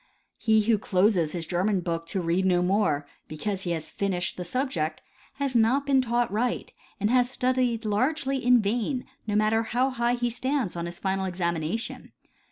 He who closes his German book to read no more because he has finished the subject has not been taught right and has studied largely in vain, no matter how high he stands on his final examination.